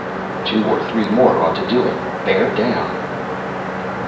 "Two or three more ought to do it. Bear down."